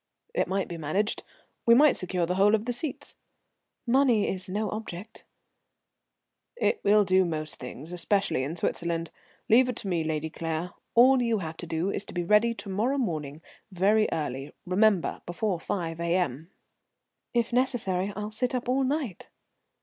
"It might be managed. We might secure the whole of the seats." "Money is no object." "It will do most things, especially in Switzerland. Leave it to me, Lady Claire. All you have to do is to be ready to morrow morning, very early, remember. Before 5 A.M." "If necessary I'll sit up all night."